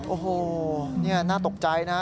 โอ้โหนี่น่าตกใจนะ